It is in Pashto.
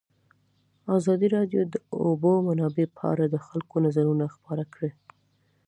ازادي راډیو د د اوبو منابع په اړه د خلکو نظرونه خپاره کړي.